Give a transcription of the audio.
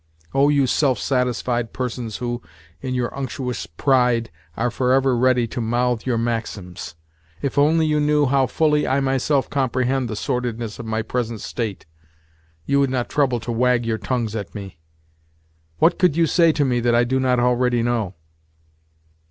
Oh, you self satisfied persons who, in your unctuous pride, are forever ready to mouth your maxims—if only you knew how fully I myself comprehend the sordidness of my present state, you would not trouble to wag your tongues at me! What could you say to me that I do not already know?